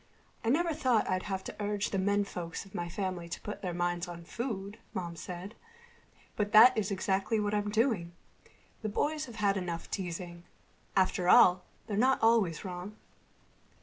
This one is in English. "I never thought I'd have to urge the menfolks of my family to put their minds on food," Mom said, "but that is exactly what I'm doing. The boys have had enough teasing. After all, they're not always wrong."